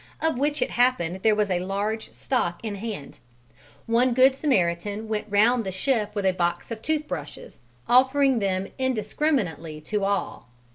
of which it happened there was a large stock in hand; one good Samaritan went round the ship with a box of tooth brushes offering them indiscriminately to all.